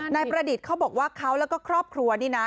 ประดิษฐ์เขาบอกว่าเขาแล้วก็ครอบครัวนี่นะ